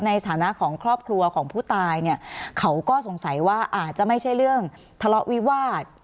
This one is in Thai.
ในฐานะของครอบครัวของผู้ตายเนี่ยเขาก็สงสัยว่าอาจจะไม่ใช่เรื่องทะเลาะวิวาส